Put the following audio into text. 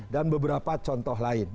dan beberapa contoh lain